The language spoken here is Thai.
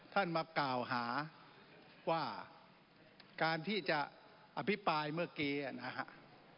ท่านมากล่าวหาว่าการที่จะอภิปรายเมื่อกี้นะครับ